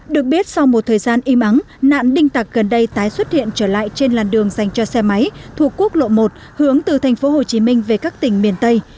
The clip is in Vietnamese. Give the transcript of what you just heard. được biết sau một thời gian im ắng nạn đinh tặc gần đây tái xuất hiện trở lại trên làn đường dành cho xe máy thuộc quốc lộ một hướng từ thành phố hồ chí minh về các tỉnh miền tây